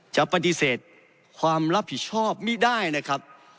จะปฏิเสธความรับผิดชอบไม่ได้นะครับ